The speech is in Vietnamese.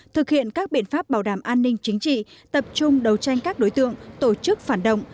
thực hiện các biện pháp bảo đảm an ninh chính trị tập trung đấu tranh các đối tượng tổ chức phản động